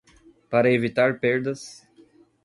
Para evitar perdas